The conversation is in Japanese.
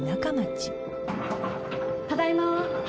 ただいま。